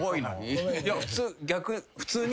いや普通逆普通に。